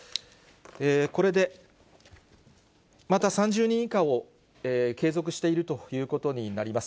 これで、また３０人以下を継続しているということになります。